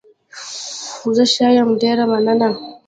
زه ښه يم، ډېره مننه.